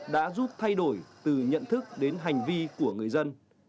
đã giúp thay đổi từ nhận thức đến hành vi của người dân